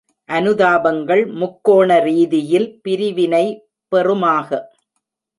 அனுதாபங்கள் முக்கோண ரீதியில் பிரிவினை பெறுமாக!..